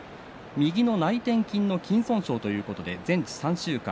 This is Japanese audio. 右の内転筋の筋損傷ということで全治３週間。